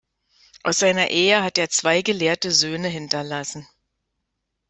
Aus seiner Ehe hat er zwei gelehrte Söhne hinterlassen.